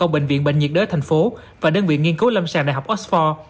bệnh viện bệnh nhiệt đới tp hcm và đơn viện nghiên cứu lâm sàng đh oxford